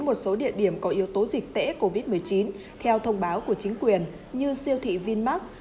một số địa điểm có yếu tố dịch tễ covid một mươi chín theo thông báo của chính quyền như siêu thị vinmark